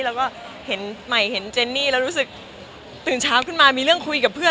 แล้วก็เห็นใหม่เห็นเจนนี่แล้วรู้สึกตื่นเช้าขึ้นมามีเรื่องคุยกับเพื่อน